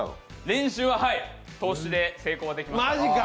練習は、はい、通しで成功できました。